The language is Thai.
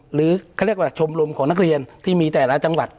หรือเขาเรียกว่าชมรมของนักเรียนที่มีแต่ละจังหวัด